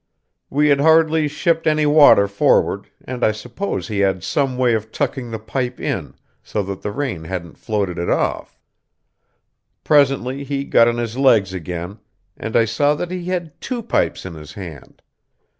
We had hardly shipped any water forward, and I suppose he had some way of tucking the pipe in, so that the rain hadn't floated it off. Presently he got on his legs again, and I saw that he had two pipes in his hand.